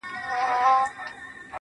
خو موږ د ګټي کار کي سراسر تاوان کړی دی~